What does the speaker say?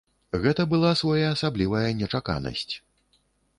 Гэта была своеасаблівая нечаканасць.